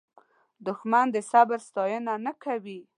دښمن د صبر ستاینه نه کوي